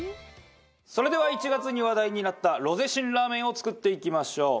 それでは１月に話題になったロゼ辛ラーメンを作っていきましょう。